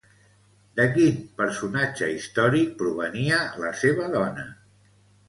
De quin personatge històric provenia la seva dona?